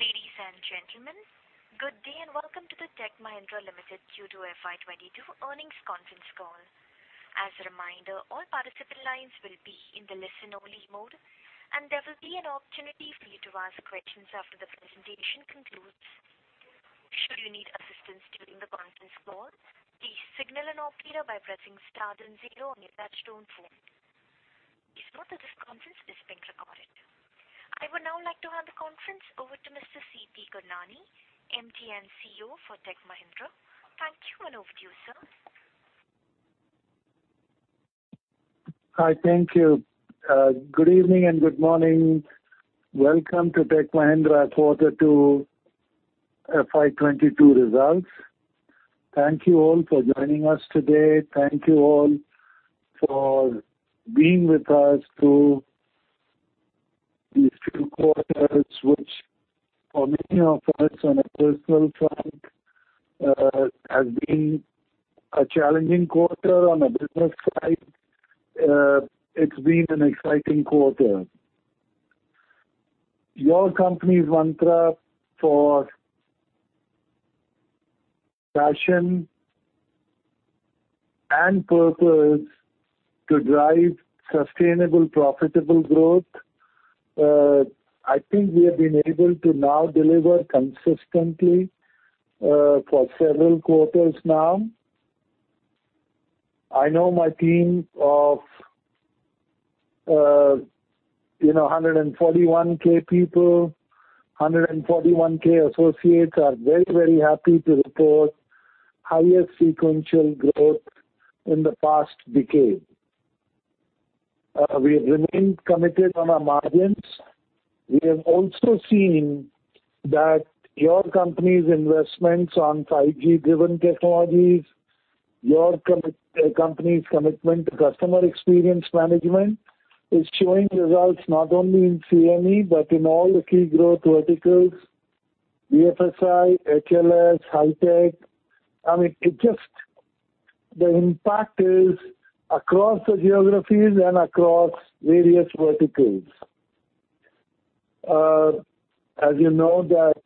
Ladies and gentlemen, good day and welcome to the Tech Mahindra Limited Q2 FY 2022 Earnings Conference Call. As a reminder, all participant lines will be in the listen only mode, and there will be an opportunity for you to ask questions after the presentation concludes. Should you need assistance during the conference call, please signal an operator by pressing star then zero on your touch-tone phone. Please note that this conference is being recorded. I would now like to hand the conference over to Mr. C.P. Gurnani, MD and CEO for Tech Mahindra. Thank you, and over to you, sir. Hi. Thank you. Good evening and good morning. Welcome to Tech Mahindra quarter two FY 2022 results. Thank you all for joining us today. Thank you all for being with us through these few quarters, which for many of us on a personal front, has been a challenging quarter. On a business side, it's been an exciting quarter. Your company's mantra for passion and purpose to drive sustainable, profitable growth, I think we have been able to now deliver consistently for several quarters now. I know my team of 141,000 people, 141,000 associates are very happy to report highest sequential growth in the past decade. We have remained committed on our margins. We have also seen that your company's investments on 5G-driven technologies, your company's commitment to customer experience management is showing results not only in CME, but in all the key growth verticals, BFSI, HLS, Hi-Tech. The impact is across the geographies and across various verticals. As you know that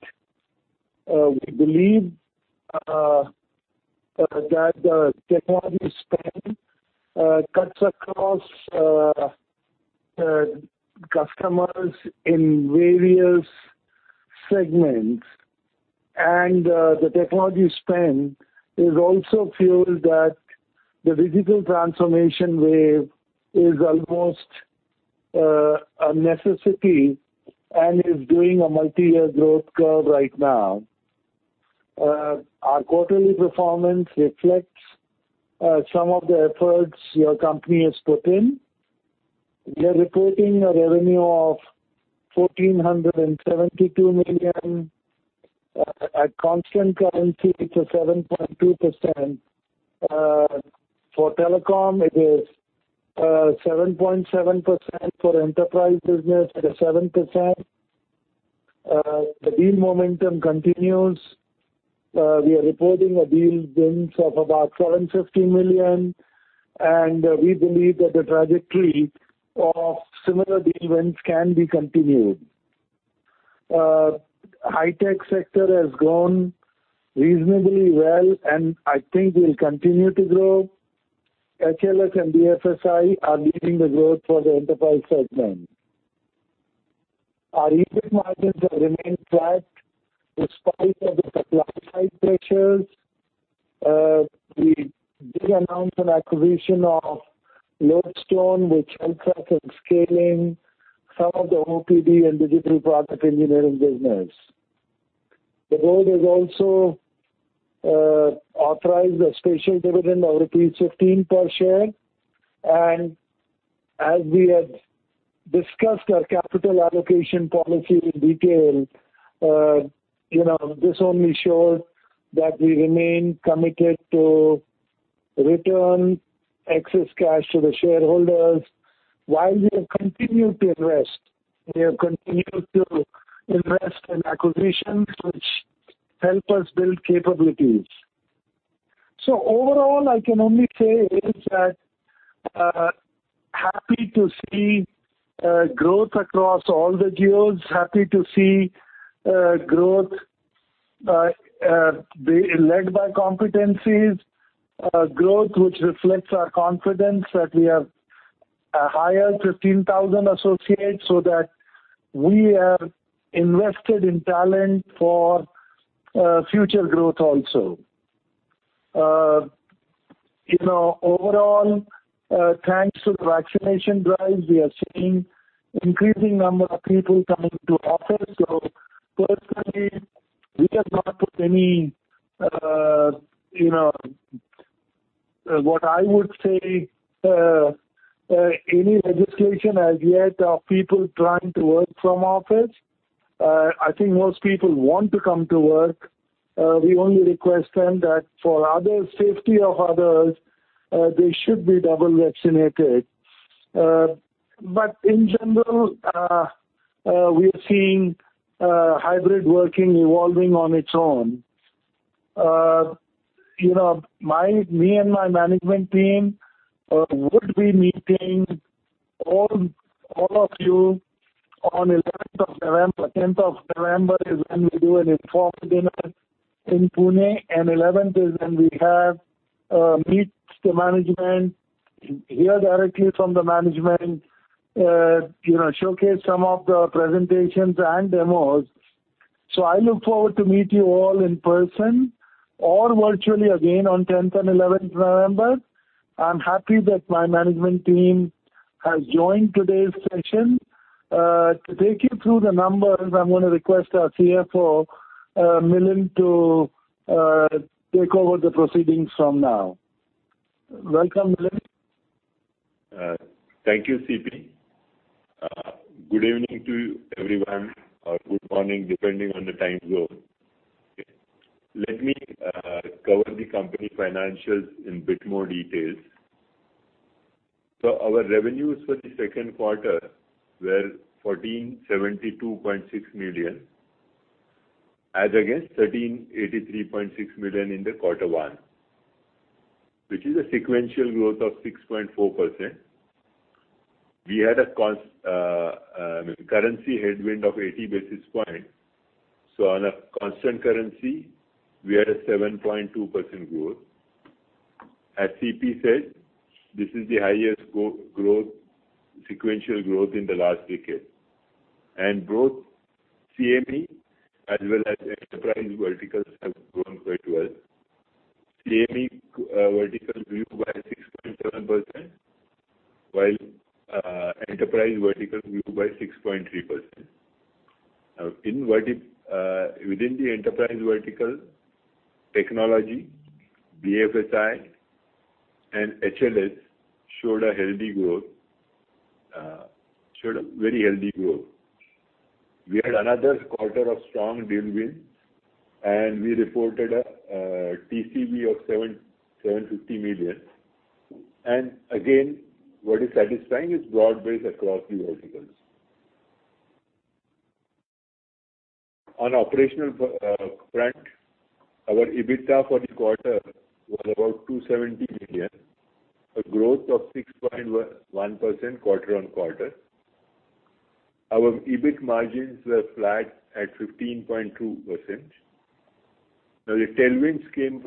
we believe that the technology spend cuts across customers in various segments. The technology spend is also fueled that the digital transformation wave is almost a necessity and is doing a multi-year growth curve right now. Our quarterly performance reflects some of the efforts your company has put in. We are reporting a revenue of 1,472 million. At constant currency, it's a 7.2%. For telecom, it is 7.7%. For enterprise business, it is 7%. The deal momentum continues. We are reporting a deal wins of about 750 million, and we believe that the trajectory of similar deal wins can be continued. High tech sector has grown reasonably well, and I think will continue to grow. HLS and BFSI are leading the growth for the enterprise segment. Our EBIT margins have remained flat despite of the supply side pressures. We did announce an acquisition of Lodestone, which helps us in scaling some of the OPD and digital product engineering business. The board has also authorized a special dividend of rupees 15 per share. As we had discussed our capital allocation policy in detail, this only shows that we remain committed to return excess cash to the shareholders while we have continued to invest. We have continued to invest in acquisitions which help us build capabilities. Overall, I can only say is that, happy to see growth across all the geos. Happy to see growth being led by competencies. Growth which reflects our confidence that we have hired 15,000 associates so that we have invested in talent for future growth also. Overall, thanks to the vaccination drive, we are seeing increasing number of people coming to office. Personally, we have not put any, what I would say, any legislation as yet of people trying to work from office. I think most people want to come to work. We only request them that for safety of others, they should be double vaccinated. In general, we are seeing hybrid working evolving on its own. My management team would be meeting all of you on 10th of November, is when we do an informal dinner in Pune, and 11th is when we have a meet the management, hear directly from the management, showcase some of the presentations and demos. I look forward to meet you all in person or virtually again on 10th and 11th November. I'm happy that my management team has joined today's session. To take you through the numbers, I'm going to request our CFO, Milind, to take over the proceedings from now. Welcome, Milind. Thank you, C. P. Good evening to everyone or good morning, depending on the time zone. Let me cover the company financials in bit more details. Our revenues for the second quarter were 1,472.6 million, as against 1,383.6 million in the quarter one, which is a sequential growth of 6.4%. We had a currency headwind of 80 basis point. On a constant currency, we had a 7.2% growth. As C. P. said, this is the highest sequential growth in the last decade. Both CME as well as enterprise verticals have grown quite well. CME vertical grew by 6.7%, while enterprise vertical grew by 6.3%. Within the enterprise vertical, technology, BFSI, and HLS showed a very healthy growth. We had another quarter of strong deal wins, and we reported a TCV of 750 million. Again, what is satisfying is broad-based across the verticals. On operational front, our EBITDA for the quarter was about 270 million, a growth of 6.1% quarter-on-quarter. Our EBIT margins were flat at 15.2%. The tailwinds came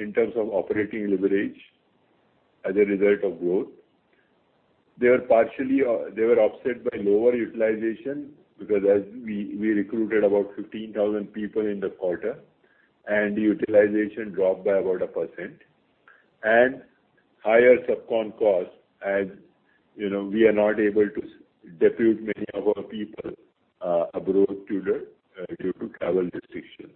in terms of operating leverage as a result of growth. They were offset by lower utilization because as we recruited about 15,000 people in the quarter, and utilization dropped by about 1%. Higher subcon cost, as we are not able to depute many of our people abroad due to travel restrictions.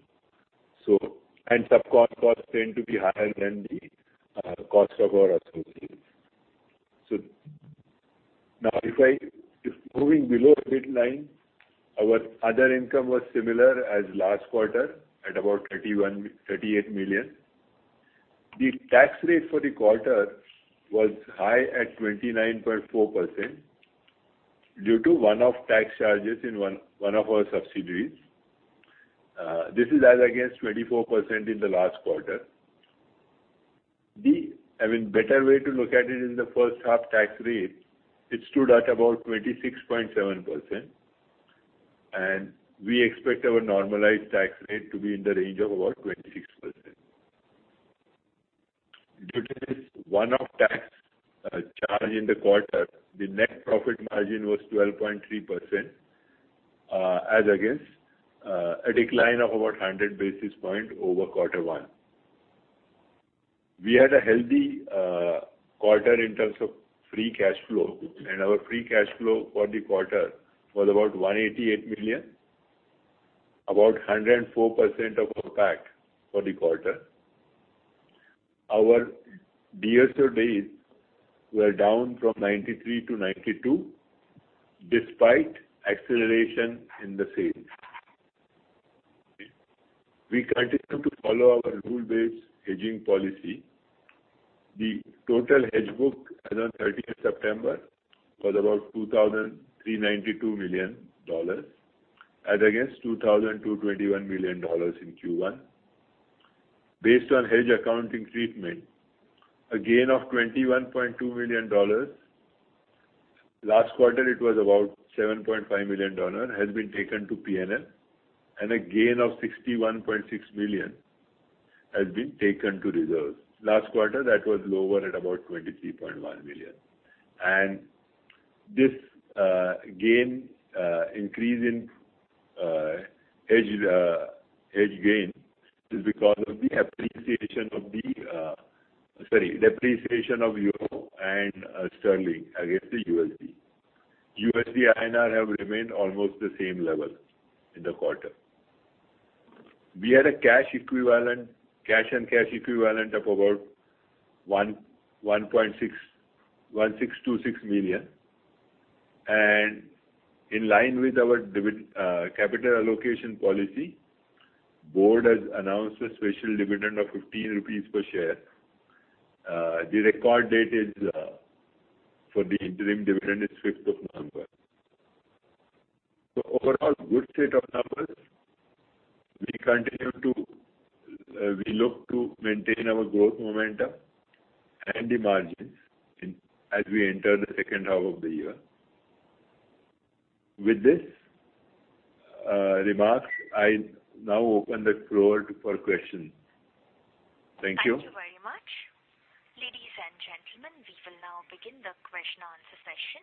Subcon costs tend to be higher than the cost of our associates. Moving below EBIT line, our other income was similar as last quarter at about 38 million. The tax rate for the quarter was high at 29.4% due to one-off tax charges in one of our subsidiaries. This is as against 24% in the last quarter. I mean, better way to look at it in the first half tax rate, it stood at about 26.7%, and we expect our normalized tax rate to be in the range of about 26%. Due to this one-off tax charge in the quarter, the net profit margin was 12.3%, as against a decline of about 100 basis points over quarter one. We had a healthy quarter in terms of free cash flow. Our free cash flow for the quarter was about 188 million, about 104% of our PAT for the quarter. Our DSO days were down from 93 to 92 despite acceleration in the sales. We continue to follow our rule-based hedging policy. The total hedge book as on 30th September was about INR 2,392 million as against INR 2,221 million in Q1. Based on hedge accounting treatment, a gain of $21.2 million, last quarter it was about $7.5 million, has been taken to P&L, and a gain of $61.6 million has been taken to reserves. Last quarter, that was lower at about $23.1 million. This gain increase in hedge gain is because of the depreciation of euro and sterling against the USD. USD-INR have remained almost the same level in the quarter. We had a cash and cash equivalent of about 1,626 million. In line with our capital allocation policy, board has announced a special dividend of 15 rupees per share. The record date for the interim dividend is 5th of November. Overall, good set of numbers. We look to maintain our growth momentum and the margins as we enter the second half of the year. With these remarks, I now open the floor for questions. Thank you. Thank you very much. Ladies and gentlemen, we will now begin the question answer session.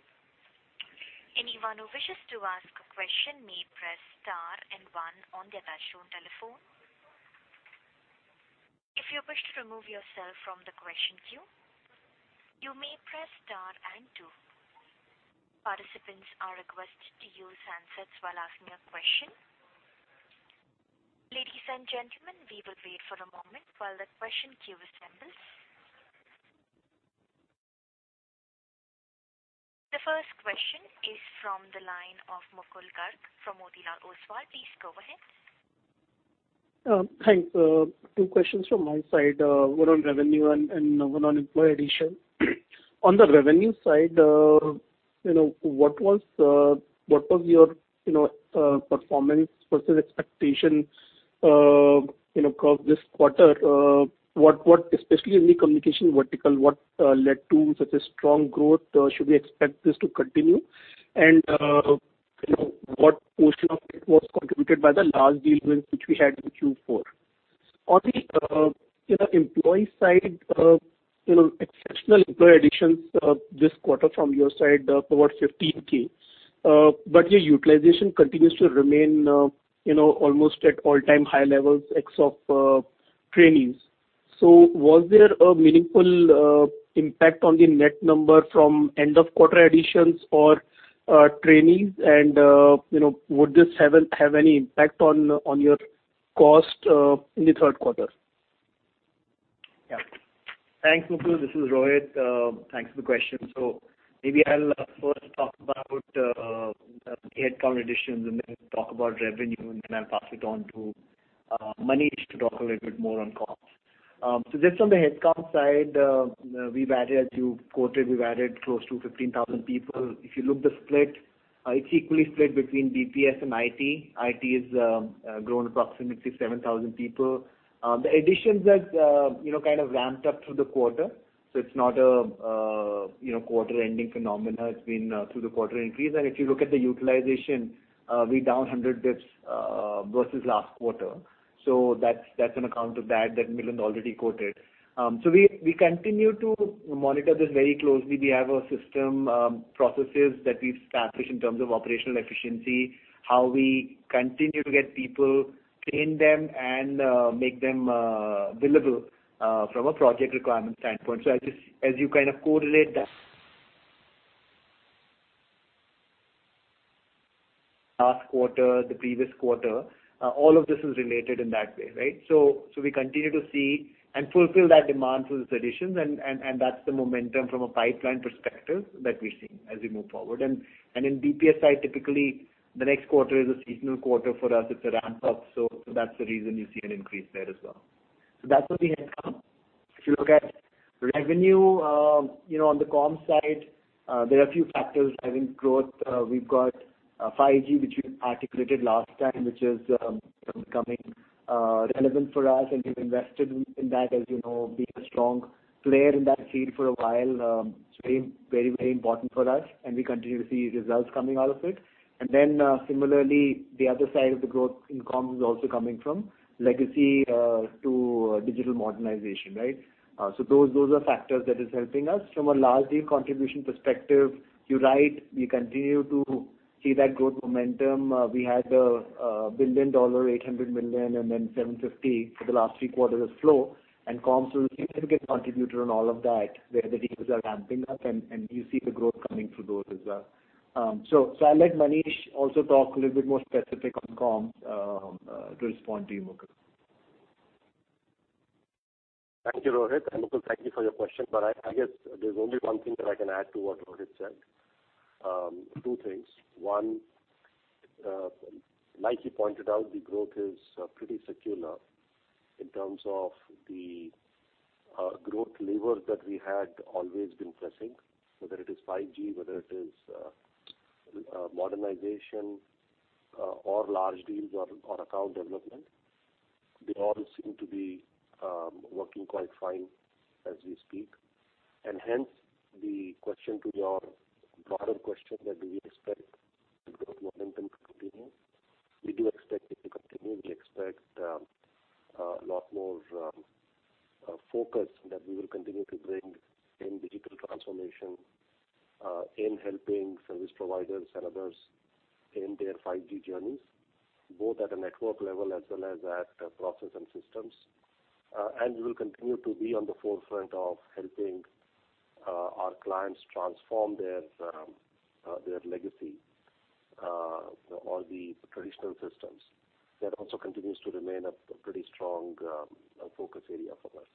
Anyone who wishes to ask a question may press star and one on their touchtone telephone. If you wish to remove yourself from the question queue, you may press star and two. Participants are requested to use handsets while asking a question. Ladies and gentlemen, we will wait for a moment while the question queue assembles. The first question is from the line of Mukul Garg from Motilal Oswal. Please go ahead. Thanks. Two questions from my side, one on revenue and one on employee addition. On the revenue side, what was your performance versus expectations this quarter? Especially in the communication vertical, what led to such a strong growth? Should we expect this to continue? What portion of it was contributed by the large deal wins which we had in Q4? On the employee side, exceptional employee additions this quarter from your side, towards 15,000. Your utilization continues to remain almost at all-time high levels ex of trainees. Was there a meaningful impact on the net number from end of quarter additions or trainees and would this have any impact on your cost in the third quarter? Thanks, Mukul. This is Rohit. Thanks for the question. Maybe I'll first talk about the headcount additions and then talk about revenue, and then I'll pass it on to Manish to talk a little bit more on costs. Just on the headcount side, as you quoted, we've added close to 15,000 people. If you look at the split, it's equally split between BPS and IT. IT has grown approximately 7,000 people. The additions have kind of ramped up through the quarter, it's not a quarter-ending phenomenon. It's been through the quarter increase. If you look at the utilization, we're down 100 basis points versus last quarter. That's on account of that Milind already quoted. We continue to monitor this very closely. We have our system processes that we've established in terms of operational efficiency, how we continue to get people, train them, and make them billable from a project requirement standpoint. As you kind of correlate that last quarter, the previous quarter, all of this is related in that way, right? We continue to see and fulfill that demand through these additions, and that's the momentum from a pipeline perspective that we're seeing as we move forward. In BPS side, typically the next quarter is a seasonal quarter for us. It's a ramp-up. That's the reason you see an increase there as well. That's on the headcount. If you look at revenue, on the comms side, there are a few factors driving growth. We've got 5G, which we articulated last time, which is becoming relevant for us, and we've invested in that as you know, being a strong player in that field for a while. It's very important for us, and we continue to see results coming out of it. Similarly, the other side of the growth in comms is also coming from legacy to digital modernization. Right? Those are factors that are helping us. From a large deal contribution perspective, you're right. We continue to see that growth momentum. We had $1 billion, $800 million, and then $750 million for the last three quarters as flow. Comms was a significant contributor on all of that where the deals are ramping up, and you see the growth coming through those as well. I'll let Manish also talk a little bit more specific on comms to respond to you, Mukul. Thank you, Rohit, and Mukul, thank you for your question. I guess there's only one thing that I can add to what Rohit said. two things. one, like he pointed out, the growth is pretty secular in terms of the growth levers that we had always been pressing, whether it is 5G, whether it is modernization or large deals or account development. They all seem to be working quite fine as we speak. Hence, the question to your broader question that do we expect the growth momentum to continue? We do expect it to continue. We expect a lot more focus that we will continue to bring in digital transformation, in helping service providers and others in their 5G journeys, both at a network level as well as at process and systems. We will continue to be on the forefront of helping our clients transform their legacy, all the traditional systems. That also continues to remain a pretty strong focus area for us.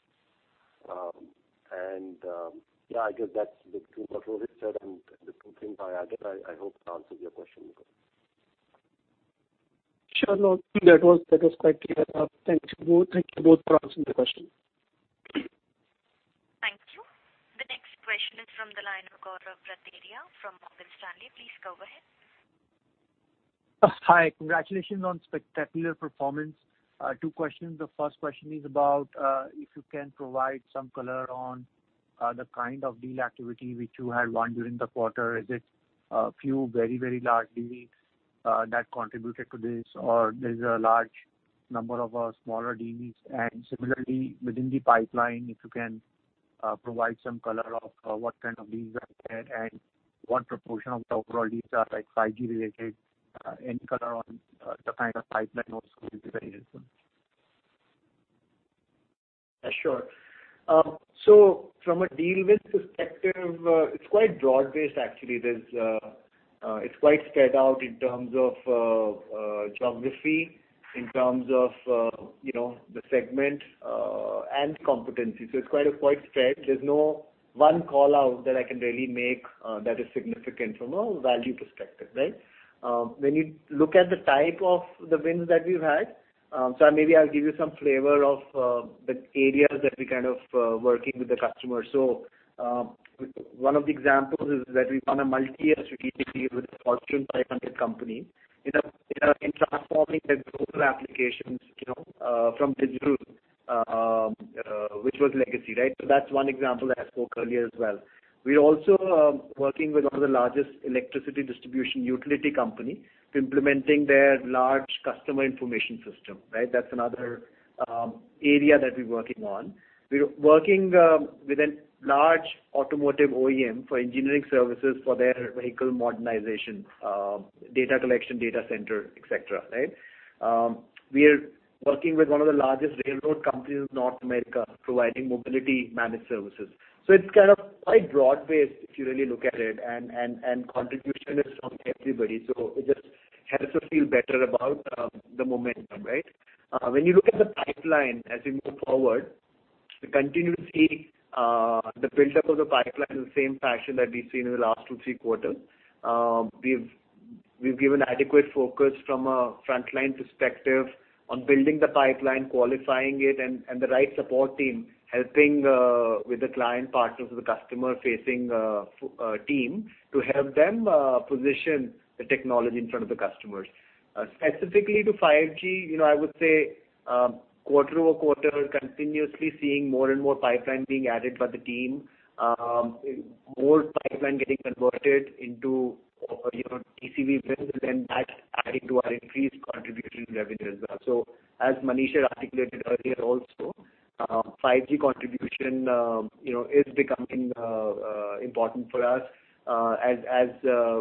Yeah, I guess that's between what Rohit said and the two things I added, I hope it answers your question, Mukul. No, that was satisfactory enough. Thank you both. Thank you both for answering the question. From the line of Gaurav Rateria from Morgan Stanley, please go ahead. Hi. Congratulations on spectacular performance. Two questions. The first question is about, if you can provide some color on the kind of deal activity which you had won during the quarter. Is it a few very large deals that contributed to this, or there's a large number of smaller deals? Similarly, within the pipeline, if you can provide some color of what kind of deals are there, and what proportion of the overall deals are 5G related, any color on the kind of pipeline? Sure. From a deal win perspective, it's quite broad-based actually. It's quite spread out in terms of geography, in terms of the segment, and competency. It's quite spread. There's no one call-out that I can really make that is significant from a value perspective, right? When you look at the type of the wins that we've had, maybe I'll give you some flavor of the areas that we kind of working with the customer. One of the examples is that we've won a multiyear strategic deal with a Fortune 500 company in transforming their global applications from digital, which was legacy. That's one example that I spoke earlier as well. We're also working with one of the largest electricity distribution utility company to implementing their large customer information system. That's another area that we're working on. We're working with a large automotive OEM for engineering services for their vehicle modernization, data collection, data center, et cetera. We are working with one of the largest railroad companies in North America providing mobility managed services. It's kind of quite broad-based if you really look at it and contribution is from everybody, so it just helps us feel better about the momentum, right? When you look at the pipeline as we move forward, we continue to see the buildup of the pipeline in the same fashion that we've seen in the last 2, 3 quarters. We've given adequate focus from a frontline perspective on building the pipeline, qualifying it, and the right support team helping with the client partners with the customer-facing team to help them position the technology in front of the customers. Specifically to 5G, I would say quarter-over-quarter, continuously seeing more and more pipeline being added by the team. More pipeline getting converted into TCV wins and that adding to our increased contribution revenue as well. As Manish had articulated earlier also, 5G contribution is becoming important for us as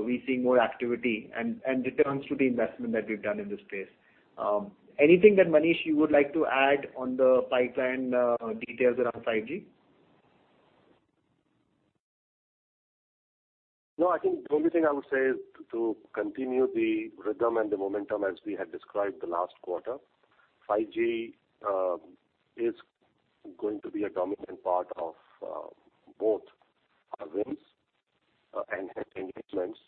we see more activity and returns to the investment that we've done in this space. Anything that, Manish, you would like to add on the pipeline details around 5G? No, I think the only thing I would say is to continue the rhythm and the momentum as we had described the last quarter. 5G is going to be a dominant part of both our wins and engagements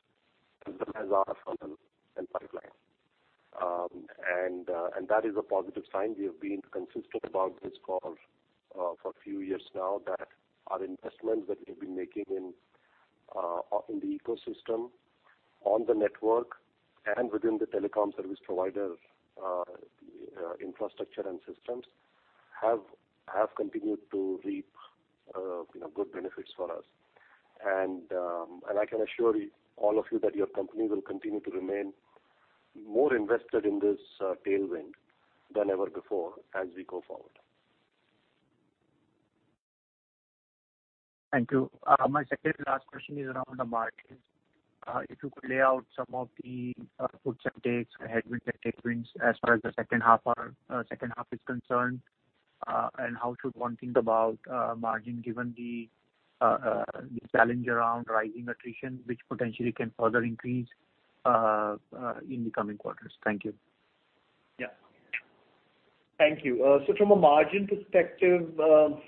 as well as our funnel and pipeline. That is a positive sign. We have been consistent about this call for a few years now that our investments that we've been making in the ecosystem, on the network, and within the telecom service provider infrastructure and systems have continued to reap good benefits for us. I can assure all of you that your company will continue to remain more invested in this tailwind than ever before as we go forward. Thank you. My second-last question is around the margins. If you could lay out some of the puts and takes, the headwinds, the tailwinds as far as the second half is concerned. How should one think about margin given the challenge around rising attrition, which potentially can further increase in the coming quarters? Thank you. Yeah. Thank you. From a margin perspective, while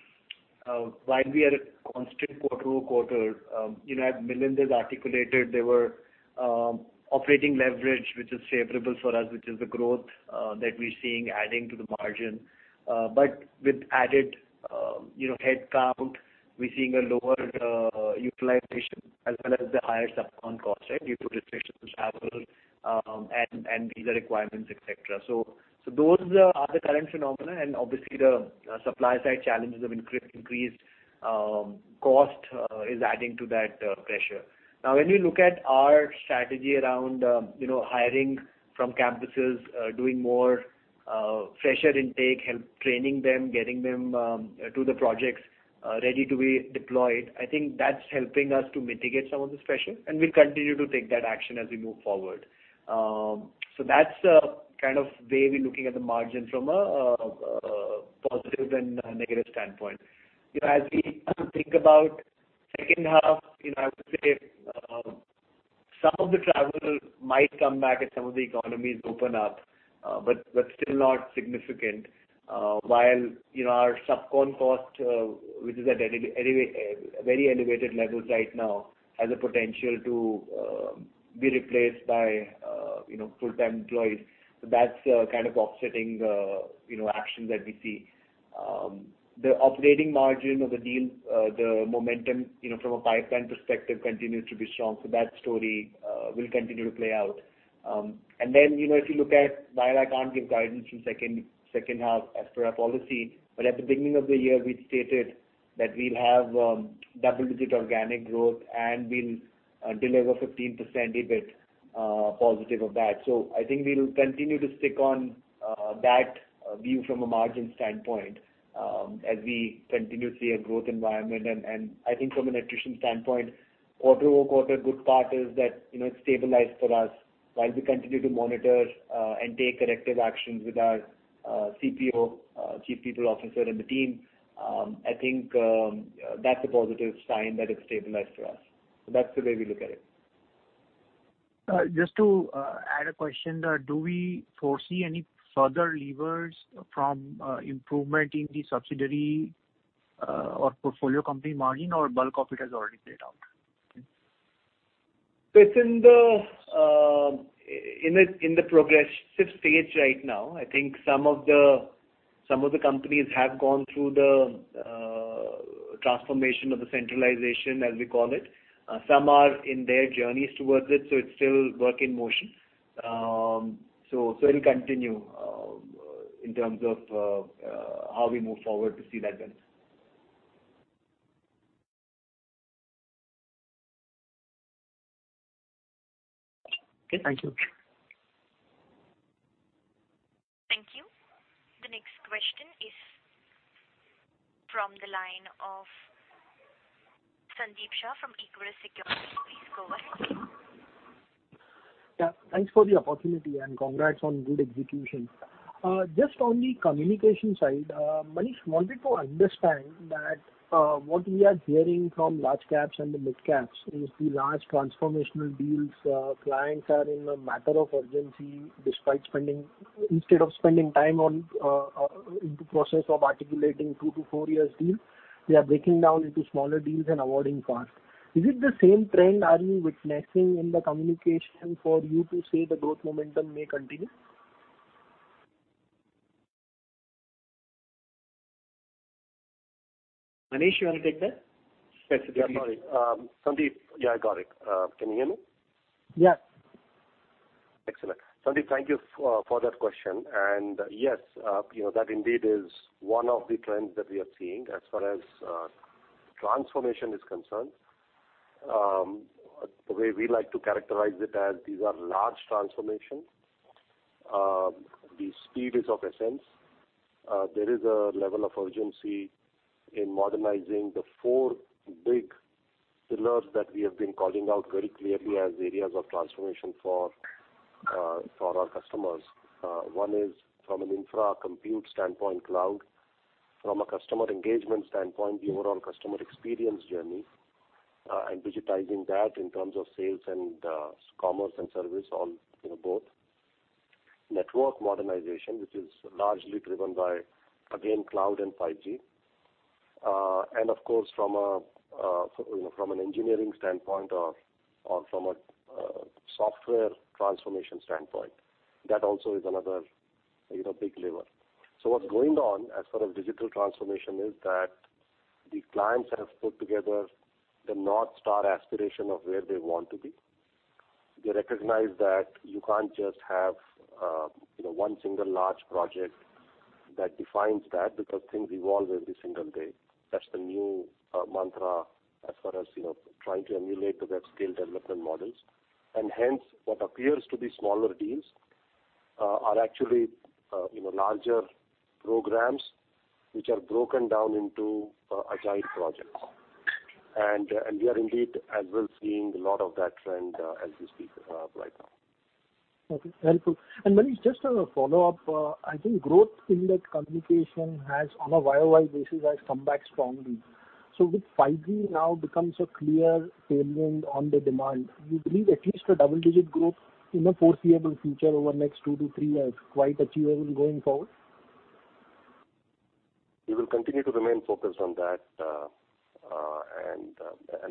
we are at constant quarter-over-quarter, Milind has articulated there were operating leverage, which is favorable for us, which is the growth that we're seeing adding to the margin. With added headcount, we're seeing a lower utilization as well as the higher subcon cost due to restrictions on travel, and visa requirements, et cetera. Those are the current phenomena, and obviously the supply side challenges have increased. Cost is adding to that pressure. When we look at our strategy around hiring from campuses, doing more fresher intake, help training them, getting them to the projects, ready to be deployed, I think that's helping us to mitigate some of this pressure, and we'll continue to take that action as we move forward. That's a kind of way we're looking at the margin from a positive and negative standpoint. As we think about second half, I would say some of the travel might come back as some of the economies open up, but still not significant. While our subcon cost, which is at very elevated levels right now has a potential to be replaced by full-time employees. That's kind of offsetting action that we see. The operating margin of the deal, the momentum from a pipeline perspective continues to be strong. If you look at while I can't give guidance through second half as per our policy, but at the beginning of the year, we'd stated that we'll have double-digit organic growth and we'll deliver 15% EBIT positive of that. I think we'll continue to stick on that view from a margin standpoint, as we continue to see a growth environment. I think from an attrition standpoint, quarter-over-quarter, good part is that it's stabilized for us while we continue to monitor and take corrective actions with our CPO, Chief People Officer and the team. I think that's a positive sign that it's stabilized for us. That's the way we look at it. Just to add a question. Do we foresee any further levers from improvement in the subsidiary or portfolio company margin or bulk of it has already played out? It's in the progressive stage right now. I think some of the companies have gone through the transformation of the centralization, as we call it. Some are in their journeys towards it, so it's still work in motion. It'll continue in terms of how we move forward to see that benefit. Okay, thank you. Thank you. The next question is from the line of Sandeep Shah from Equirus Securities. Please go ahead. Yeah, thanks for the opportunity. Congrats on good execution. Just on the communication side, Manish, wanted to understand that what we are hearing from large caps and the mid caps is the large transformational deals. Clients are in a matter of urgency instead of spending time into process of articulating two to four years deal, we are breaking down into smaller deals and awarding fast. Is it the same trend are you witnessing in the communication for you to say the growth momentum may continue? Manish, you want to take that? Specifically- Yeah. Sandeep, I got it. Can you hear me? Yeah. Excellent. Sandeep, thank you for that question. Yes, that indeed is one of the trends that we are seeing as far as transformation is concerned. The way we like to characterize it as these are large transformations. The speed is of essence. There is a level of urgency in modernizing the four big pillars that we have been calling out very clearly as areas of transformation for our customers. One is from an infra compute standpoint, cloud. From a customer engagement standpoint, the overall customer experience journey, and digitizing that in terms of sales and commerce and service on both. Network modernization, which is largely driven by, again, cloud and 5G. Of course, from an engineering standpoint or from a software transformation standpoint. That also is another big lever. What's going on as far as digital transformation is that the clients have put together the North Star aspiration of where they want to be. They recognize that you can't just have one single large project that defines that because things evolve every single day. That's the new mantra as far as trying to emulate the web-scale development models. Hence, what appears to be smaller deals are actually larger programs which are broken down into agile projects. We are indeed as well seeing a lot of that trend as we speak right now. Okay. Helpful. Manish, just as a follow-up. I think growth in that communication on a YOY basis has come back strongly. With 5G now becomes a clear tailwind on the demand, you believe at least a double-digit growth in the foreseeable future over next 2 to 3 years, quite achievable going forward? We will continue to remain focused on that.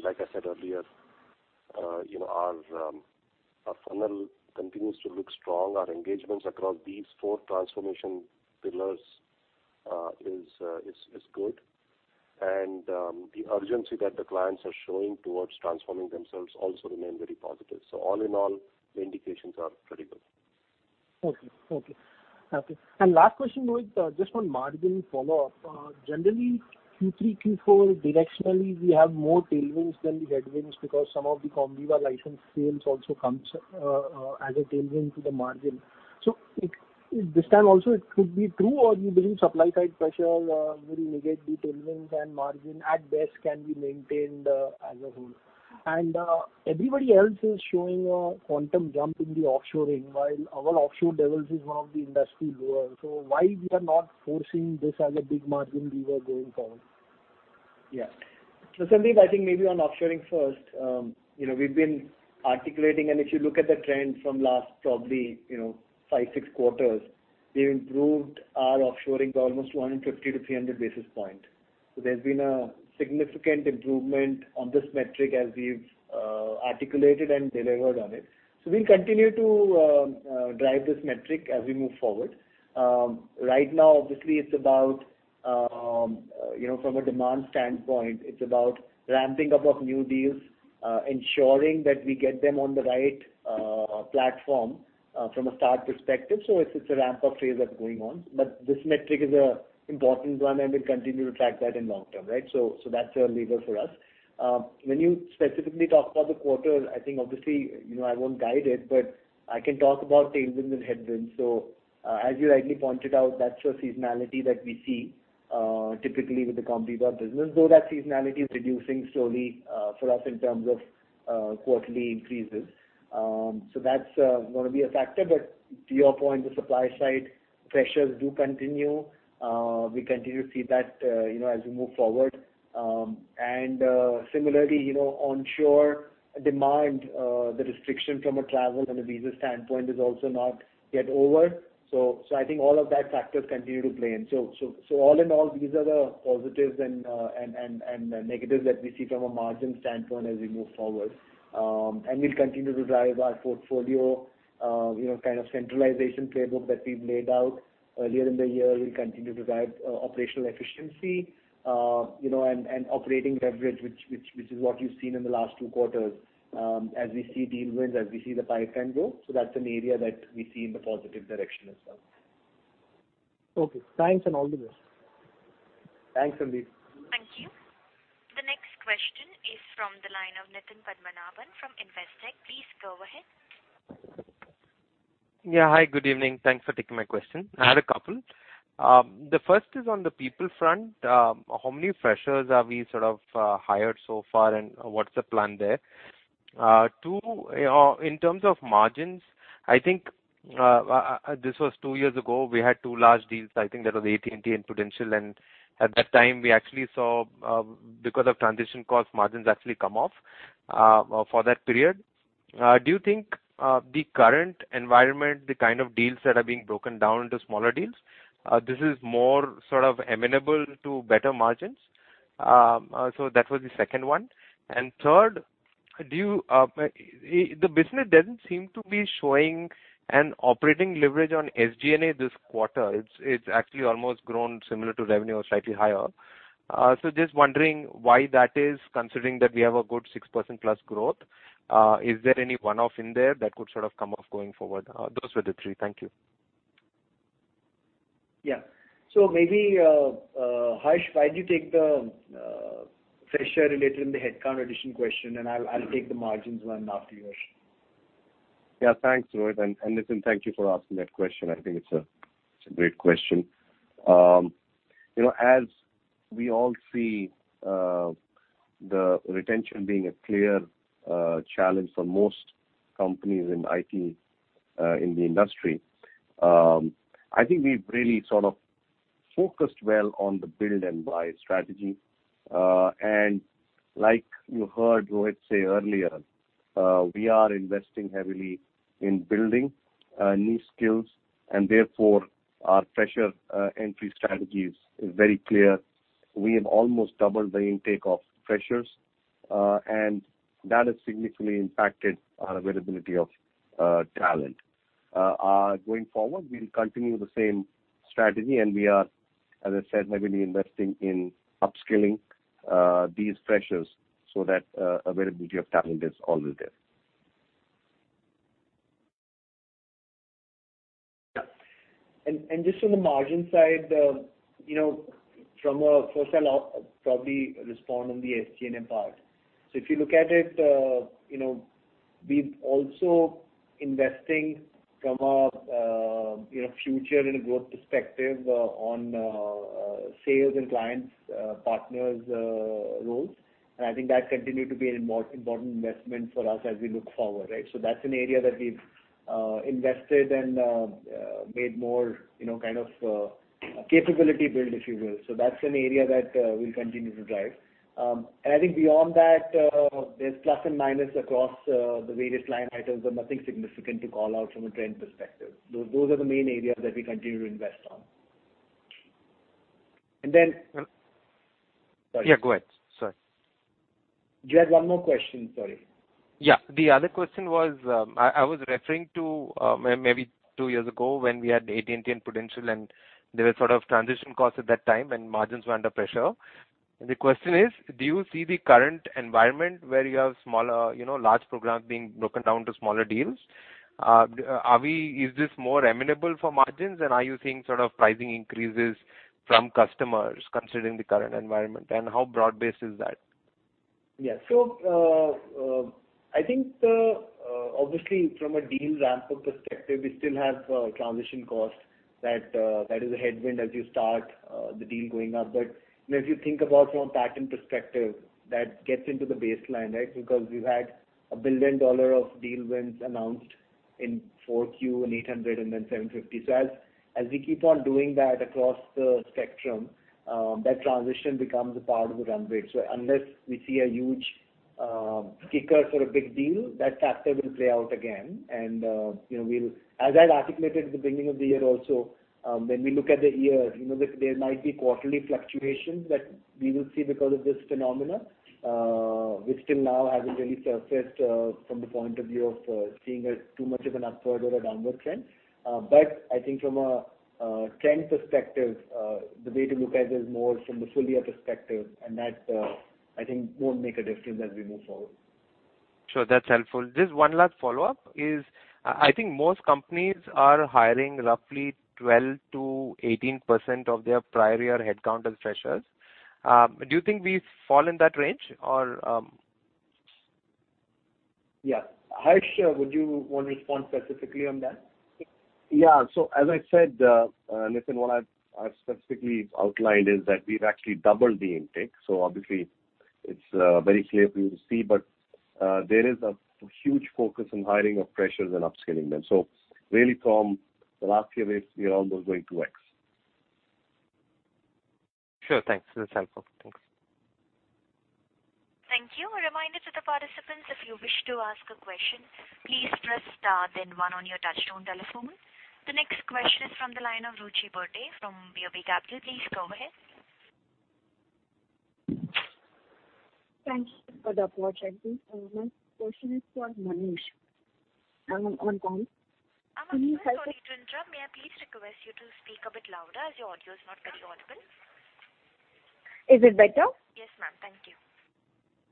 Like I said earlier, our funnel continues to look strong. Our engagements across these 4 transformation pillars is good. The urgency that the clients are showing towards transforming themselves also remain very positive. All in all, the indications are pretty good. Okay. Last question, Rohit. Just on margin follow-up. Generally, Q3, Q4, directionally, we have more tailwinds than the headwinds because some of the Comviva license sales also comes as a tailwind to the margin. This time also it could be true or you believe supply side pressures will negate the tailwinds and margin at best can be maintained as a whole? Everybody else is showing a quantum jump in the offshoring, while our offshore levels is one of the industry lower. Why we are not forcing this as a big margin lever going forward? Yeah. Sandeep, I think maybe on offshoring first. We've been articulating, if you look at the trend from last probably five, six quarters, we've improved our offshoring to almost 150 to 300 basis points. There's been a significant improvement on this metric as we've articulated and delivered on it. We'll continue to drive this metric as we move forward. Right now, obviously, from a demand standpoint, it's about ramping up of new deals ensuring that we get them on the right platform from a start perspective. It's a ramp-up phase that's going on, but this metric is an important one, and we'll continue to track that in long-term, right? That's a lever for us. When you specifically talk about the quarter, I think, obviously, I won't guide it, but I can talk about tailwinds and headwinds. As you rightly pointed out, that's a seasonality that we see typically with the Comviva business, though that seasonality is reducing slowly for us in terms of quarterly increases. That's going to be a factor. To your point, the supply side pressures do continue. We continue to see that as we move forward. Similarly, onshore demand, the restriction from a travel and a visa standpoint is also not yet over. I think all of that factors continue to play in. All in all, these are the positives and negatives that we see from a margin standpoint as we move forward. We'll continue to drive our portfolio, kind of centralization playbook that we've laid out earlier in the year. We'll continue to drive operational efficiency and operating leverage which is what you've seen in the last two quarters as we see deal wins, as we see the pipeline grow. That's an area that we see in the positive direction as well. Okay. Thanks all the best. Thanks, Sandeep Shah. Thank you. The next question is from the line of Nitin Padmanabhan from Investec. Please go ahead. Yeah. Hi, good evening. Thanks for taking my question. I had a couple. The first is on the people front. How many freshers have we sort of hired so far, and what's the plan there? Two, in terms of margins, I think this was two years ago, we had two large deals. I think that was AT&T and Prudential. At that time, we actually saw because of transition costs, margins actually come off for that period. Do you think the current environment, the kind of deals that are being broken down into smaller deals, this is more sort of amenable to better margins? That was the second one. Third, the business doesn't seem to be showing an operating leverage on SG&A this quarter. It's actually almost grown similar to revenue or slightly higher. Just wondering why that is, considering that we have a good 6% plus growth. Is there any one-off in there that could sort of come off going forward? Those were the three. Thank you. Yeah. Maybe, Harsh, why don't you take the fresher related and the headcount addition question, and I'll take the margins one after you, Harsh. Yeah. Thanks, Rohit. Nitin, thank you for asking that question. I think it's a great question. As we all see the retention being a clear challenge for most companies in IT in the industry, I think we've really sort of focused well on the build and buy strategy. Like you heard Rohit say earlier, we are investing heavily in building new skills, and therefore our fresher entry strategies is very clear. We have almost doubled the intake of freshers, and that has significantly impacted our availability of talent. Going forward, we'll continue the same strategy, and we are, as I said, heavily investing in upskilling these freshers so that availability of talent is always there. Yeah. Just on the margin side, from a first of all probably respond on the SG&A part. If you look at it, we're also investing from a future and a growth perspective on sales and clients, partners roles. I think that continue to be an important investment for us as we look forward, right? That's an area that we've invested in, made more kind of capability build, if you will. That's an area that we'll continue to drive. I think beyond that, there's plus and minus across the various line items, but nothing significant to call out from a trend perspective. Those are the main areas that we continue to invest on. Sorry. Yeah, go ahead. Sorry. Do you have one more question? Sorry. Yeah. The other question was, I was referring to maybe two years ago when we had AT&T and Prudential, and there were sort of transition costs at that time, and margins were under pressure. The question is: Do you see the current environment where you have large programs being broken down to smaller deals, is this more amenable for margins, and are you seeing sort of pricing increases from customers considering the current environment, and how broad-based is that? I think, obviously, from a deal ramp-up perspective, we still have transition costs. That is a headwind as you start the deal going up. If you think about from a pattern perspective, that gets into the baseline, right? We've had INR 1 billion of deal wins announced in Q4 and 800 million and then 750 million. As we keep on doing that across the spectrum, that transition becomes a part of the run rate. Unless we see a huge kicker for a big deal, that chapter will play out again. As I'd articulated at the beginning of the year also, when we look at the years, there might be quarterly fluctuations that we will see because of this phenomenon, which till now hasn't really surfaced from the point of view of seeing it too much of an upward or a downward trend. I think from a trend perspective, the way to look at it is more from the full year perspective, and that, I think, won't make a difference as we move forward. Sure. That's helpful. Just one last follow-up is, I think most companies are hiring roughly 12%-18% of their prior year headcount as freshers. Do you think we fall in that range? Yeah. Harsh, would you want to respond specifically on that? Yeah. As I said, Nitin, what I've specifically outlined is that we've actually doubled the intake. Obviously it's very clear for you to see, but there is a huge focus on hiring of freshers and upskilling them. Really from the last few years, we are almost going 2X. Sure. Thanks. That is helpful. Thanks. Thank you. A reminder to the participants, if you wish to ask a question, please press star then one on your touchtone telephone. The next question is from the line of Ruchi Burde from BOB Capital. Please go ahead. Thanks for the approach. My question is for Manish. I'm on call. I'm sorry to interrupt, may I please request you to speak a bit louder, as your audio is not very audible. Is it better? Yes, ma'am. Thank you.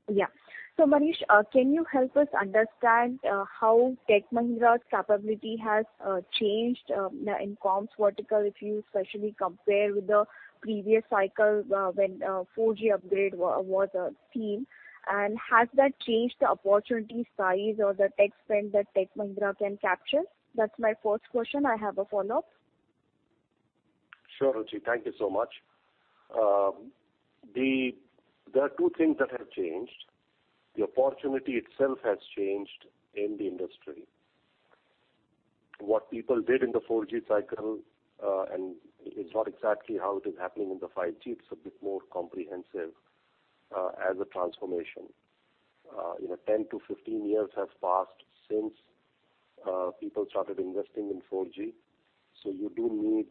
Yeah. Manish, can you help us understand how Tech Mahindra's capability has changed in comms vertical, if you especially compare with the previous cycle when 4G upgrade was a theme? Has that changed the opportunity size or the tech spend that Tech Mahindra can capture? That's my first question. I have a follow-up. Sure, Ruchi. Thank you so much. There are two things that have changed. The opportunity itself has changed in the industry. What people did in the 4G cycle, and it's not exactly how it is happening in the 5G. It's a bit more comprehensive as a transformation. 10 to 15 years have passed since people started investing in 4G. You do need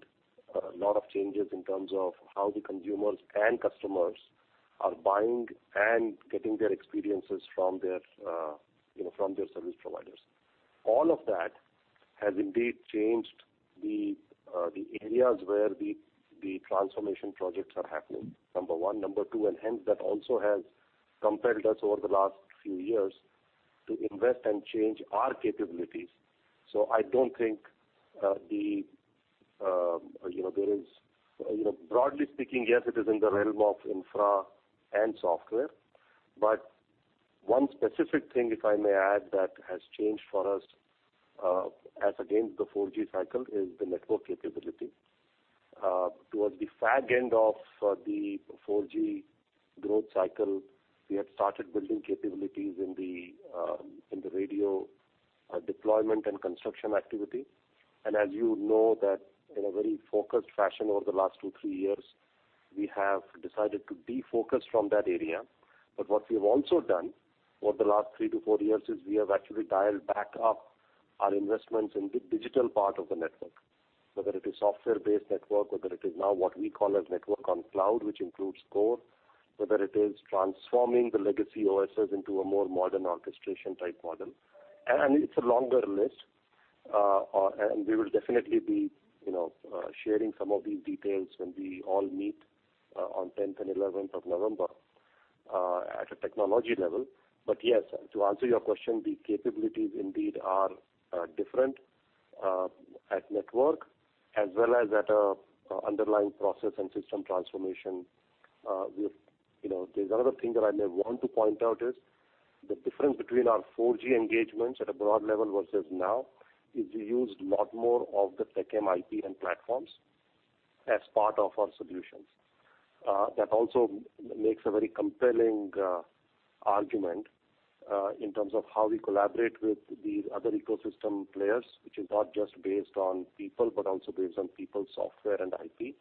a lot of changes in terms of how the consumers and customers are buying and getting their experiences from their service providers. All of that has indeed changed the areas where the transformation projects are happening, number one. Number two, hence that also has compelled us over the last few years to invest and change our capabilities. Broadly speaking, yes, it is in the realm of infra and software. One specific thing, if I may add, that has changed for us, as against the 4G cycle, is the network capability. Towards the fag end of the 4G growth cycle, we had started building capabilities in the radio deployment and construction activity. As you know that in a very focused fashion over the last two, three years, we have decided to de-focus from that area. What we've also done over the last three to four years is we have actually dialed back up our investments in the digital part of the network. Whether it is software-based network, whether it is now what we call as network on cloud, which includes core, whether it is transforming the legacy OSS into a more modern orchestration-type model. It's a longer list, and we will definitely be sharing some of these details when we all meet on 10th and 11th of November at a technology level. Yes, to answer your question, the capabilities indeed are different at network as well as at underlying process and system transformation. There's another thing that I may want to point out is the difference between our 4G engagements at a broad level versus now is we used a lot more of the TechM IP and platforms as part of our solutions. That also makes a very compelling argument in terms of how we collaborate with these other ecosystem players, which is not just based on people, but also based on people's software and IP.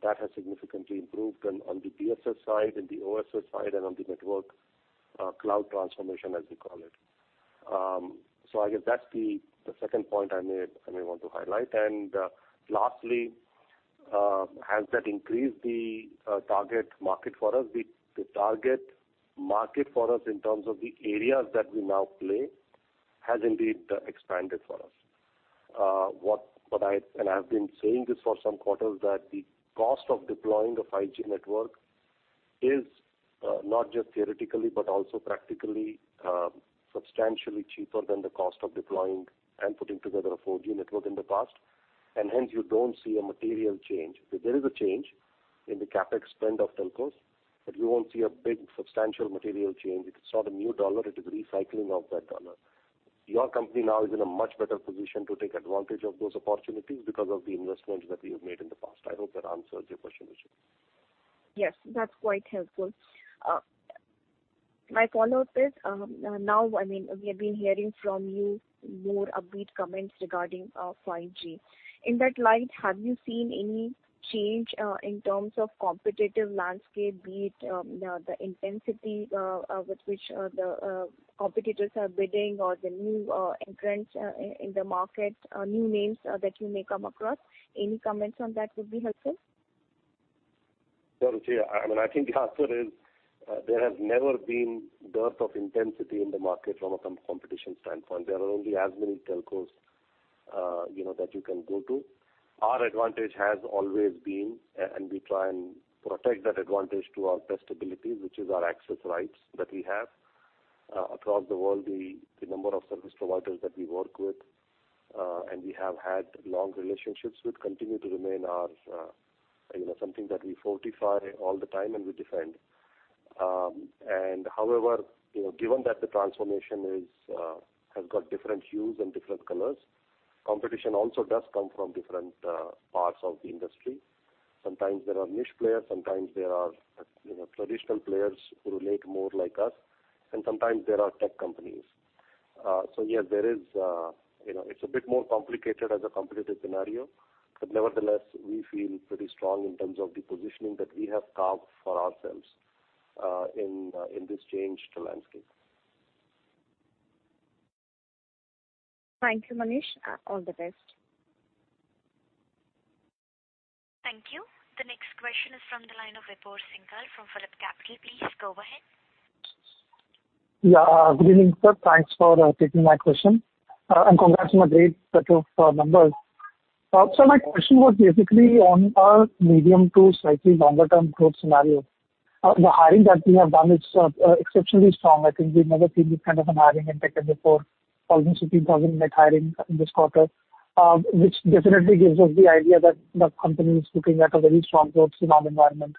That has significantly improved on the BSS side and the OSS side and on the network cloud transformation, as we call it. I guess that's the second point I may want to highlight. Lastly, has that increased the target market for us? The target market for us in terms of the areas that we now play has indeed expanded for us. I've been saying this for some quarters, that the cost of deploying a 5G network is not just theoretically but also practically substantially cheaper than the cost of deploying and putting together a 4G network in the past, and hence you don't see a material change. There is a change in the CapEx spend of telcos, but you won't see a big, substantial material change. If it's not a new dollar, it is recycling of that dollar. Your company now is in a much better position to take advantage of those opportunities because of the investments that we have made in the past. I hope that answers your question, Ruchi. Yes, that's quite helpful. My follow-up is, now we have been hearing from you more upbeat comments regarding 5G. In that light, have you seen any change in terms of competitive landscape, be it the intensity with which the competitors are bidding or the new entrants in the market, new names that you may come across? Any comments on that would be helpful. Ruchi, I think the answer is, there has never been dearth of intensity in the market from a competition standpoint. There are only as many telcos that you can go to. Our advantage has always been, and we try and protect that advantage to our best ability, which is our access rights that we have. Across the world, the number of service providers that we work with, and we have had long relationships with, continue to remain something that we fortify all the time and we defend. However, given that the transformation has got different views and different colors, competition also does come from different parts of the industry. Sometimes there are niche players, sometimes there are traditional players who relate more like us, and sometimes there are tech companies. Yes, it's a bit more complicated as a competitive scenario. Nevertheless, we feel pretty strong in terms of the positioning that we have carved for ourselves in this change to landscape. Thank you, Manish. All the best. Thank you. The next question is from the line of Vibhor Singhal from PhillipCapital. Please go ahead. Good evening, sir. Thanks for taking my question, congratulations on the great set of numbers. Sir, my question was basically on our medium to slightly longer term growth scenario. The hiring that we have done is exceptionally strong. I think we've never seen this kind of an hiring in Tech M before, 1,600 net hiring in this quarter, which definitely gives us the idea that the company is looking at a very strong growth demand environment.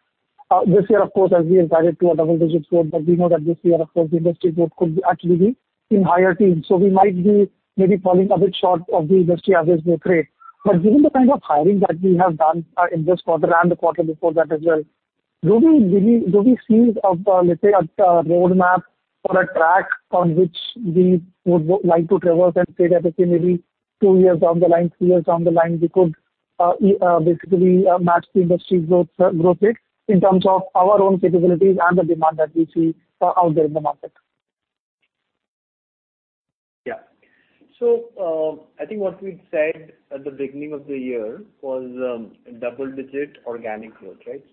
This year, of course, as we have guided to a double-digit growth, we know that this year, of course, the industry growth could actually be in higher teens. We might be maybe falling a bit short of the industry average growth rate. Given the kind of hiring that we have done in this quarter and the quarter before that as well, do we see, let's say, a roadmap or a track on which we would like to traverse and say that, okay, maybe 2 years down the line, 3 years down the line, we could basically match the industry growth rate in terms of our own capabilities and the demand that we see out there in the market? Yeah. I think what we'd said at the beginning of the year was double-digit organic growth, right?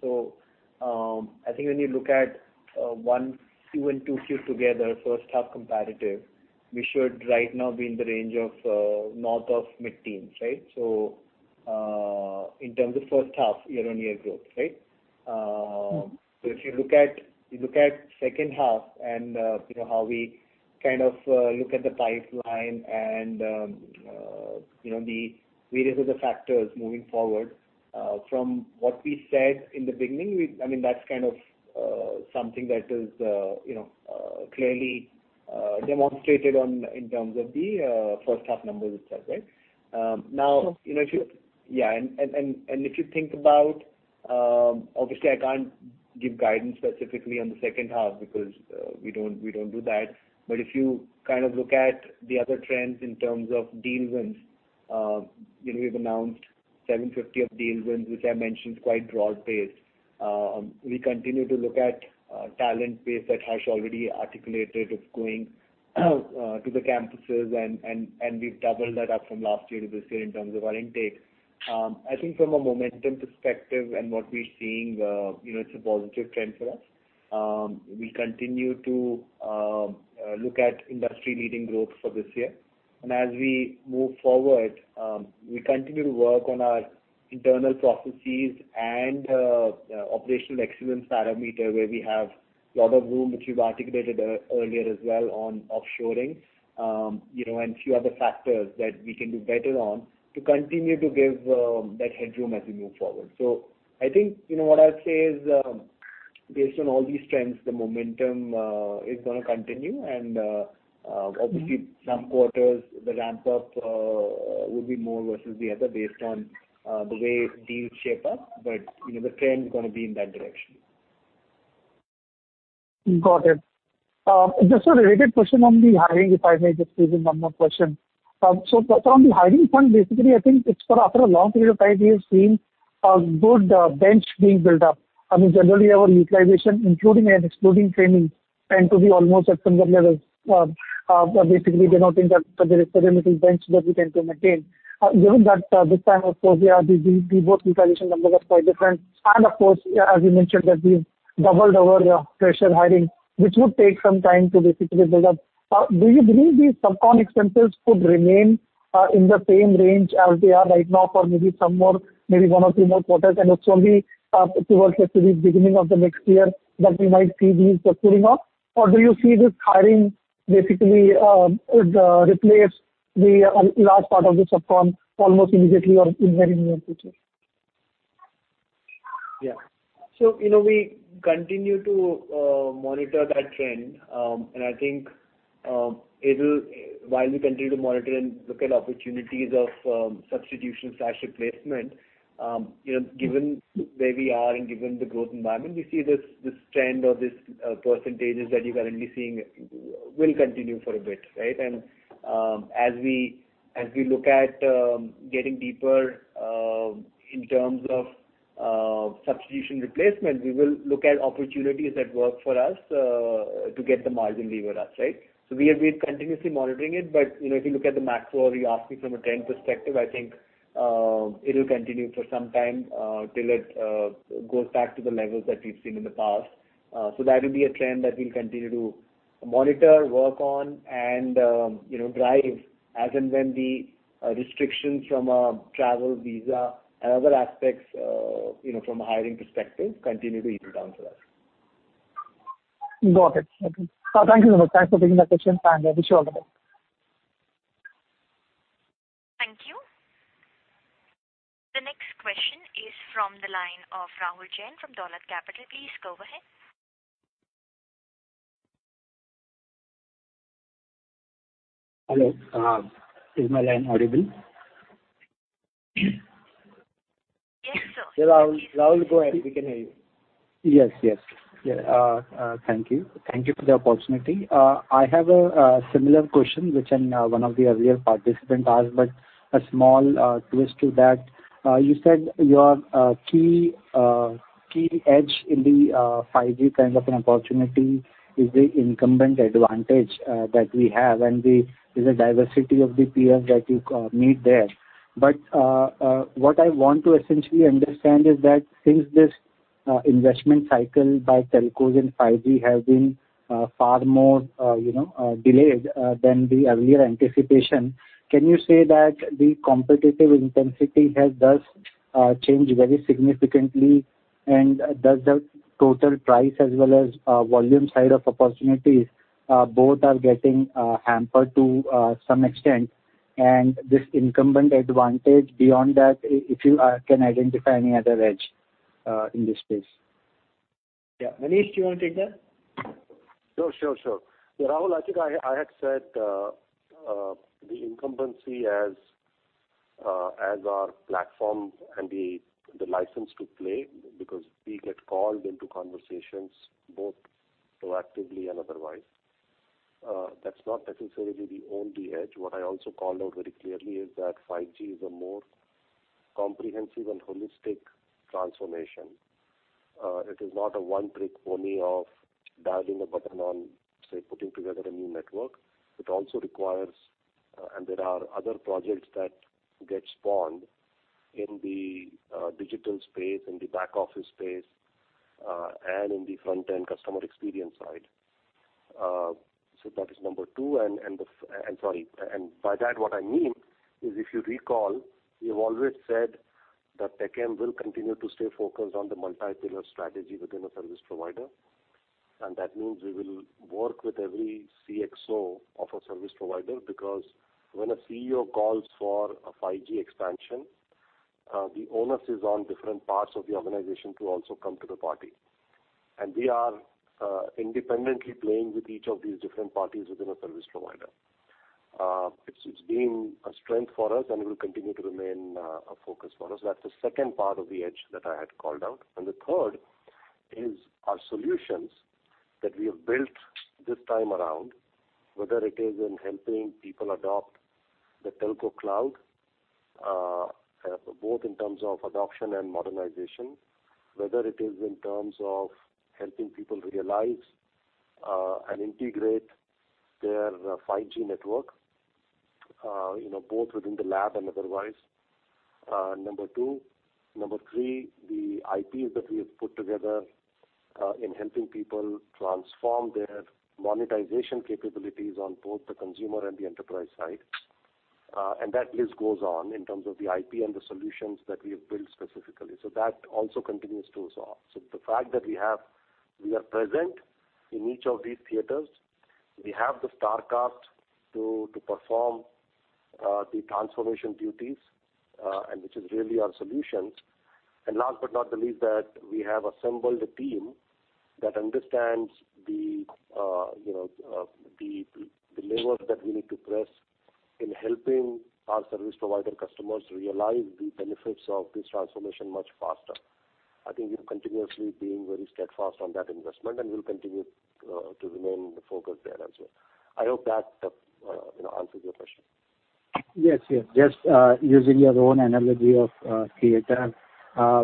I think when you look at Q1 to Q2 together, first half comparative, we should right now be in the range of north of mid-teens. In terms of first half, year-on-year growth. If you look at second half and how we look at the pipeline and the various other factors moving forward, from what we said in the beginning, that's something that is clearly demonstrated in terms of the first half numbers itself. Obviously, I can't give guidance specifically on the second half because we don't do that. If you look at the other trends in terms of deal wins, we've announced 750 of deal wins, which I mentioned is quite broad-based. We continue to look at talent base that Harsh already articulated, of going to the campuses, and we've doubled that up from last year to this year in terms of our intake. I think from a momentum perspective and what we're seeing, it's a positive trend for us. We continue to look at industry-leading growth for this year. As we move forward, we continue to work on our internal processes and operational excellence parameter, where we have lot of room, which we've articulated earlier as well on offshoring, and few other factors that we can do better on to continue to give that headroom as we move forward. I think, what I'd say is, based on all these trends, the momentum is going to continue, and obviously some quarters, the ramp-up will be more versus the other based on the way deals shape up, but the trend is going to be in that direction. Got it. Just a related question on the hiring, if I may just raise one more question. From the hiring front, basically, I think after a long period of time, we have seen a good bench being built up. Generally, our utilization, including and excluding training, tend to be almost at similar levels, basically denoting that there is a limited bench that we can maintain. Given that this time, of course, yeah, the both utilization numbers are quite different. Of course, as you mentioned, that we doubled our fresher hiring, which would take some time to basically build up. Do you believe these subcon expenses could remain in the same range as they are right now for maybe one or two more quarters, and it's only towards, let's say, the beginning of the next year that we might see these tapering off? Do you see this hiring basically would replace the large part of the subcon almost immediately or in very near future? Yeah. We continue to monitor that trend, and I think. While we continue to monitor and look at opportunities of substitution fresh placement, given where we are and given the growth environment, we see this trend or these percentages that you're currently seeing will continue for a bit, right. As we look at getting deeper in terms of substitution replacement, we will look at opportunities that work for us to get the margin leveraged, right. We have been continuously monitoring it, but if you look at the macro, you're asking from a trend perspective, I think it'll continue for some time till it goes back to the levels that we've seen in the past. That will be a trend that we'll continue to monitor, work on and drive as and when the restrictions from travel, visa and other aspects from a hiring perspective continue to ease down for us. Got it. Okay. Thank you so much. Thanks for taking that question, and wish you all the best. Thank you. The next question is from the line of Rahul Jain from Dolat Capital. Please go ahead. Hello. Is my line audible? Yes, sir. Rahul, go ahead. We can hear you. Yes. Thank you. Thank you for the opportunity. I have a similar question, which one of the earlier participants asked, but a small twist to that. You said your key edge in the 5G kind of an opportunity is the incumbent advantage that we have, and there's a diversity of the peers that you meet there. What I want to essentially understand is that since this investment cycle by telcos in 5G has been far more delayed than the earlier anticipation, can you say that the competitive intensity has thus changed very significantly? Does the total price as well as volume side of opportunities, both are getting hampered to some extent, and this incumbent advantage beyond that, if you can identify any other edge in this space. Yeah. Manish, do you want to take that? Sure. Rahul, I think I had said the incumbency as our platform and the license to play because we get called into conversations both proactively and otherwise. That's not necessarily the only edge. What I also called out very clearly is that 5G is a more comprehensive and holistic transformation. It is not a one-trick pony of dialing a button on, say, putting together a new network. It also requires, and there are other projects that get spawned in the digital space, in the back-office space, and in the front-end customer experience side. That is number two. By that, what I mean is, if you recall, we have always said that Tech M will continue to stay focused on the multi-pillar strategy within a service provider. That means we will work with every CXO of a service provider, because when a CEO calls for a 5G expansion, the onus is on different parts of the organization to also come to the party. We are independently playing with each of these different parties within a service provider. It's been a strength for us and will continue to remain a focus for us. That's the second part of the edge that I had called out. The third is our solutions that we have built this time around, whether it is in helping people adopt the telco cloud, both in terms of adoption and modernization. Whether it is in terms of helping people realize and integrate their 5G network both within the lab and otherwise. Number two. Number three, the IPs that we have put together in helping people transform their monetization capabilities on both the consumer and the enterprise side. That list goes on in terms of the IP and the solutions that we have built specifically. That also continues to pay off. The fact that we are present in each of these theaters, we have the star cast to perform the transformation duties, and which is really our solutions. Last but not the least, that we have assembled a team that understands the lever that we need to press in helping our service provider customers realize the benefits of this transformation much faster. I think we've continuously been very steadfast on that investment and will continue to remain focused there as well. I hope that answers your question. Just using your own analogy of theater,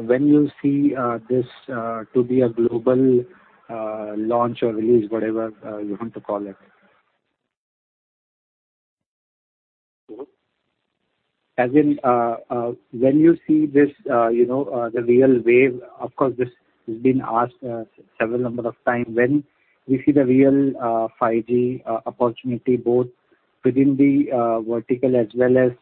when you see this to be a global launch or release, whatever you want to call it. Hello? As in, when you see the real wave. Of course, this has been asked several number of times. When we see the real 5G opportunity, both within the vertical as well as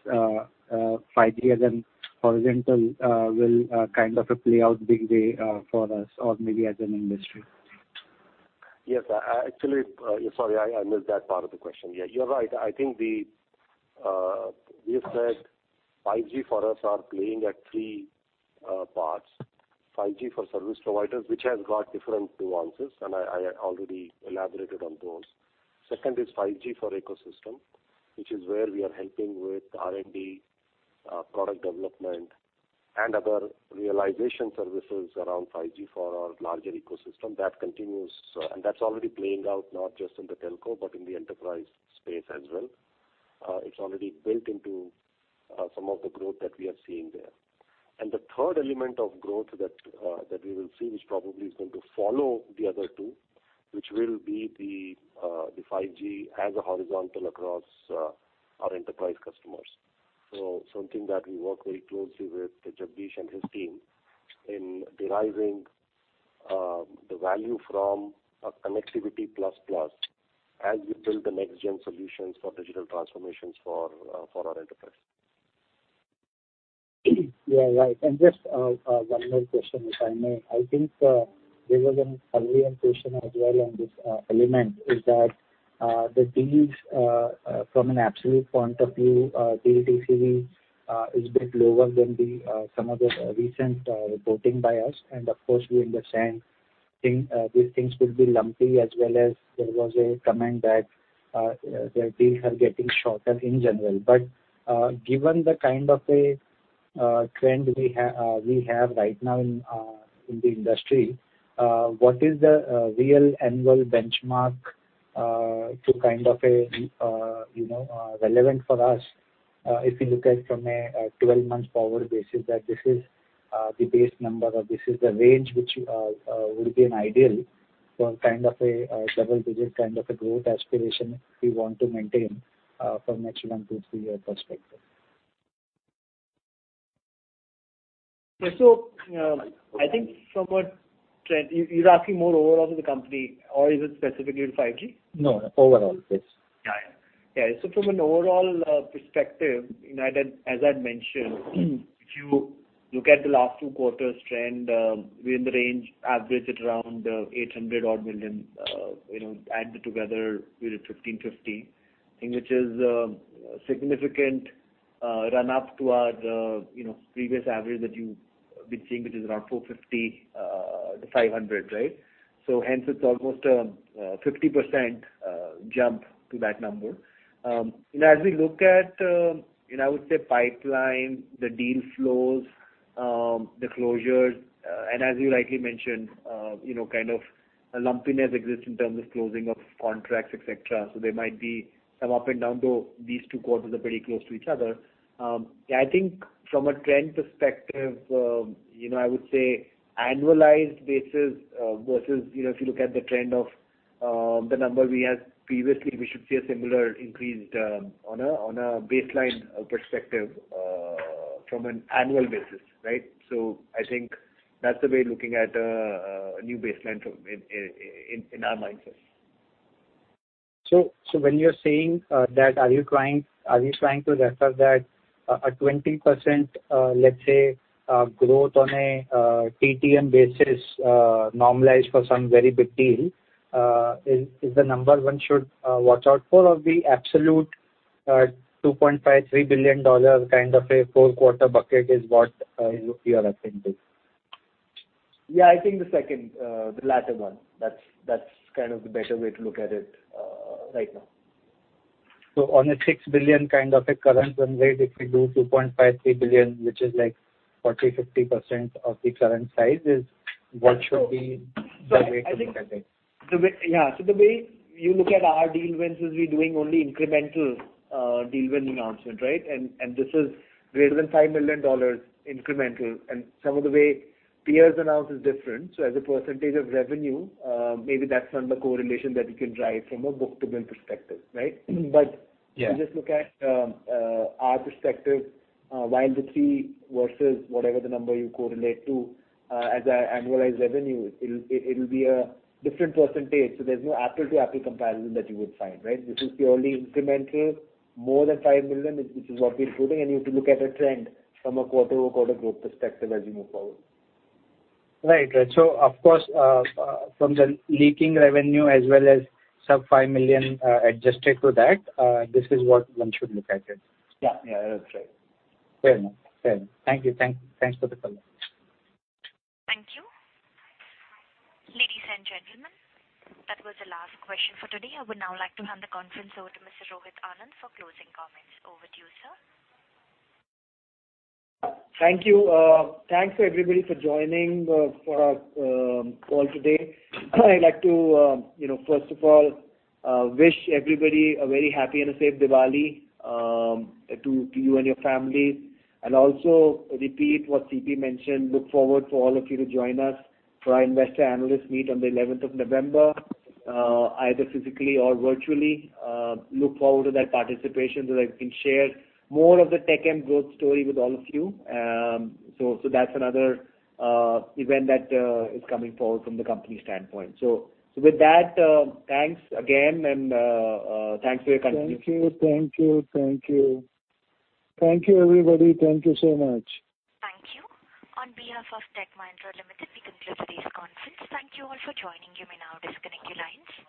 5G as an horizontal, will kind of play out big way for us or maybe as an industry. Yes. Actually, sorry, I missed that part of the question. Yeah, you're right. We have said 5G for us are playing at three parts. 5G for service providers, which has got different nuances, and I already elaborated on those. Second is 5G for ecosystem, which is where we are helping with R&D, product development, and other realization services around 5G for our larger ecosystem. That's already playing out, not just in the telco, but in the enterprise space as well. It's already built into some of the growth that we are seeing there. The third element of growth that we will see, which probably is going to follow the other two, which will be the 5G as a horizontal across our enterprise customers. Something that we work very closely with Jagdish and his team in deriving the value from a connectivity plus plus as we build the next-gen solutions for digital transformations for our enterprise. Yeah, right. Just one more question, if I may. I think there was an earlier question as well on this element, is that the deals from an absolute point of view, deal TCV, is a bit lower than some of the recent reporting by us. Of course, we understand these things will be lumpy as well as there was a comment that their deals are getting shorter in general. Given the kind of a trend we have right now in the industry, what is the real annual benchmark to kind of relevant for us, if you look at from a 12-month forward basis that this is the base number or this is the range which would be an ideal for a double-digit kind of a growth aspiration we want to maintain from next 1-3 year perspective. I think from a trend, you're asking more overall to the company or is it specifically in 5G? No, overall, please. From an overall perspective, as I'd mentioned, if you look at the last two quarters trend, we're in the range average at around 800 odd million. Add together we did 1,550, which is a significant run-up to our previous average that you've been seeing, which is around 450-500. Hence it's almost a 50% jump to that number. As we look at, I would say pipeline, the deal flows, the closures, and as you rightly mentioned, a lumpiness exists in terms of closing of contracts, et cetera. There might be some up and down, though these two quarters are pretty close to each other. I think from a trend perspective, I would say annualized basis versus if you look at the trend of the number we had previously, we should see a similar increase on a baseline perspective from an annual basis. I think that's the way looking at a new baseline in our mindset. When you're saying that, are you trying to refer that a 20%, let's say, growth on a TTM basis normalized for some very big deal is the number one should watch out for, or the absolute $2.5 billion-$3 billion kind of a 4-quarter bucket is what you are referring to? Yeah, I think the second, the latter one. That's the better way to look at it right now. On an 6 billion kind of a current run rate, if we do $2.5 billion-$3 billion, which is like 40%-50% of the current size, is what should be the way to look at it. Yeah, the way you look at our deal wins is we're doing only incremental deal win announcement, right? This is greater than INR 5 million incremental, and some of the way peers announce is different. As a percentage of revenue, maybe that's not the correlation that you can drive from a book-to-bill perspective, right? Yeah. If you just look at our perspective, while in the three versus whatever the number you correlate to as annualize revenue, it'll be a different percentage. There's no apple-to-apple comparison that you would find, right? This is purely incremental, more than 5 million, which is what we're putting, and you have to look at a trend from a quarter-over-quarter growth perspective as we move forward. Right. Of course, from the leaking revenue as well as sub 5 million adjusted to that, this is what one should look at it. Yeah, that is right. Fair enough. Thank you. Thanks for the call. Thank you. Ladies and gentlemen, that was the last question for today. I would now like to hand the conference over to Mr. Rohit Anand for closing comments. Over to you, sir. Thank you. Thanks everybody for joining our call today. I'd like to, first of all, wish everybody a very happy and a safe Diwali to you and your families. Also repeat what C.P. mentioned, look forward for all of you to join us for our Investor Analyst Meet on the 11th of November, either physically or virtually. Look forward to that participation so that we can share more of the Tech M growth story with all of you. That's another event that is coming forward from the company standpoint. With that, thanks again, and thanks for your continued support. Thank you. Thank you, everybody. Thank you so much. Thank you. On behalf of Tech Mahindra Limited, we conclude today's conference. Thank you all for joining. You may now disconnect your lines.